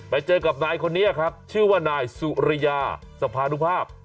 ไปเจอกับนายคนนี้ครับชื่อว่านายสุริยาสภานุภาพ